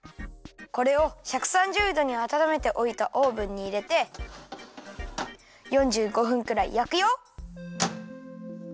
これを１３０どにあたためておいたオーブンにいれて４５分くらいやくよ。